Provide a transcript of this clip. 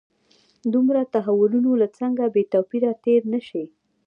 دومره تحولونو له څنګه بې توپیره تېر نه شي.